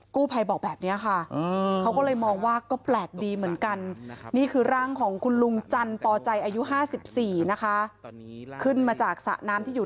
กู้ไพ่บอกแบบเนี้ยค่ะเค้าก็เลยมองว่าก็แปลกดีเหมือนกัน